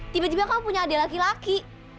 tiba tiba kamu punya adik laki laki